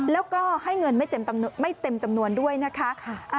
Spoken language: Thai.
แล้วก็ให้เงินไม่เต็มจำนวนด้วยนะคะ